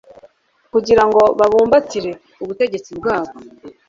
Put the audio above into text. Kugira ngo babumbatire ubutegetsi bwabo,